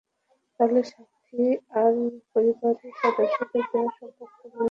তাহলে স্বাক্ষী আর পরিবারের সদস্যদের দেওয়া সব বক্তব্য মিথ্যা?